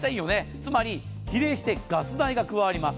つまり比例してガス代が加わります。